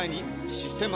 「システマ」